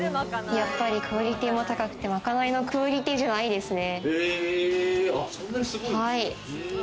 クオリティーも高くて、まかないのクオリティーじゃないですね。